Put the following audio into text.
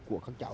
của các cháu